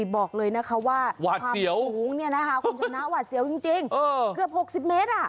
บอกเลยนะคะว่าความสูงคุณชนะหวาดเสียวยังจริงเกือบหกสิบเมตรอ่ะ